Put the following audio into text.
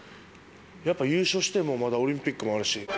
やっぱり優勝してもまだオリンピックもあるし。